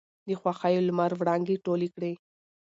د خـوښـيو لمـر وړانـګې تـولې کـړې.